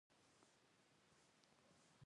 پر دې پنځو اصولو یو ډول توافق شتون لري.